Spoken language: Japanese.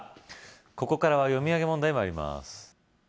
ここからは読み上げ問題参ります